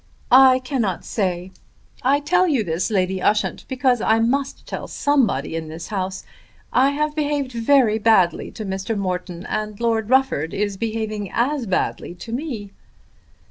"I cannot say. I tell you this, Lady Ushant, because I must tell somebody in this house. I have behaved very badly to Mr. Morton, and Lord Rufford is behaving as badly to me."